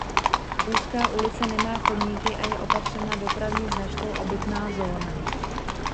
Úzká ulice nemá chodníky a je opatřena dopravní značkou "obytná zóna".